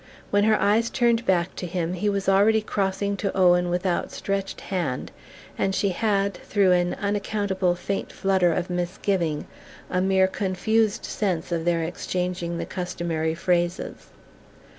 When her eyes turned back to him he was already crossing to Owen with outstretched hand, and she had, through an unaccountable faint flutter of misgiving, a mere confused sense of their exchanging the customary phrases.